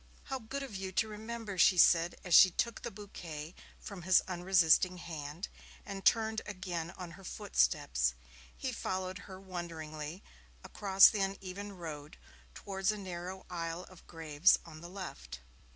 'How good of you to remember!' she said, as she took the bouquet from his unresisting hand, and turned again on her footsteps. He followed her wonderingly across the uneven road towards a narrow aisle of graves on the left.